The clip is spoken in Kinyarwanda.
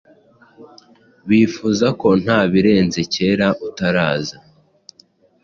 Bifuza ko nabirenze cyera utaraza